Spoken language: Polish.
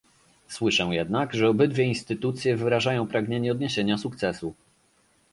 Słyszę jednak, że obydwie instytucje wyrażają pragnienie odniesienia sukcesu